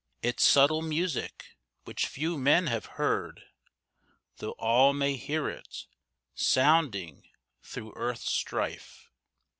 Its subtle music which few men have heard, Though all may hear it, sounding through earth's strife.